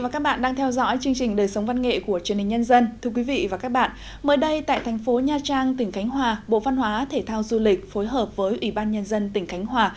chào mừng quý vị đến với bộ phân hóa thể thao du lịch phối hợp với ủy ban nhân dân tỉnh cánh hòa